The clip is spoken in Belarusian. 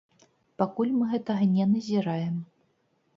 Пакуль мы гэтага не назіраем.